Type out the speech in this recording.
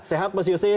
sehat mas yosi